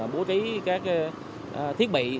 bố trí các thiết bị